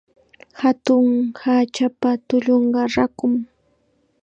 Hatun hachapa tullunqa rakum.